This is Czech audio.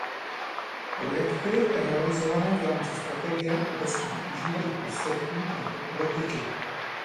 Projekty realizované v rámci strategie obecně využívají prostředků této politiky.